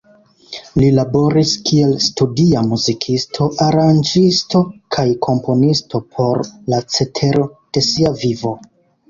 Li laboris kiel studia muzikisto, aranĝisto, kaj komponisto por la cetero de sia vivo.